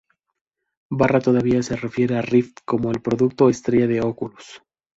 Barra todavía se refiere al Rift como el producto estrella de Oculus.